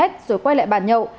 rồi quay lại bàn nhậu